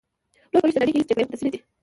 نور په ویښه نړۍ کې هیڅ جګړې مقدسې نه دي.